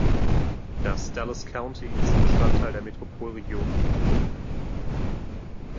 Das Dallas County ist Bestandteil der Metropolregion um die Stadt Des Moines.